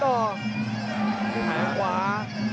ที่หางขวา